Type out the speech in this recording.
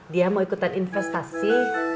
dia mau ikutan investasi